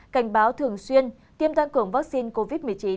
cảnh báo thường xuyên tiêm tăng cường vaccine covid một mươi chín